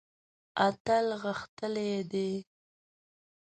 اتل غښتلی دی.